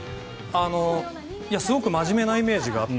すごく真面目なイメージがあって。